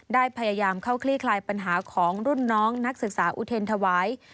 ได้พยายามเข้าคลี่คลายปัญหาของรุ่นน้องนักศึกษาอุเทรนธวาย